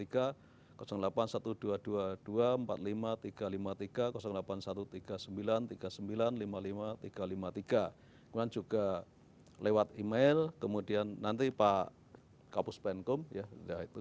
kemudian juga lewat email kemudian nanti pak kapus penkum ya itu